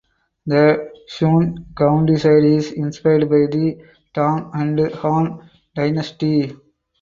The Xun County side is inspired by the Tang and Han dynasty.